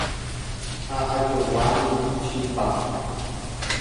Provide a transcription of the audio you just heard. ha ajoguámi chipa